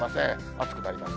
暑くなります。